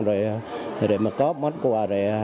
rồi có món quà